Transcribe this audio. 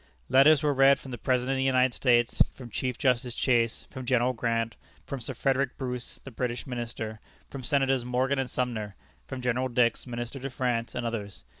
Letters were read from the President of the United States, from Chief Justice Chase, from General Grant, from Sir Frederick Bruce, the British Minister, from Senators Morgan and Sumner, from General Dix, Minister to France, and others.